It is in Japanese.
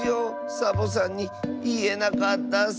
サボさんにいえなかったッス。